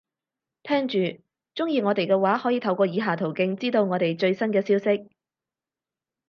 聽住，鍾意我哋嘅話，可以透過以下途徑，知道我哋最新嘅消息